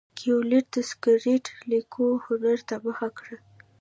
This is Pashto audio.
کویلیو د سکرېپټ لیکلو هنر ته مخه کړه.